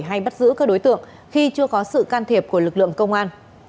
hay bắt giữ các đối tượng khi chưa có sự can thiệp của lực lượng công an